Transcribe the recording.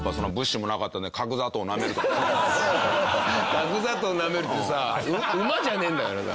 角砂糖なめるってさ馬じゃねえんだからさ。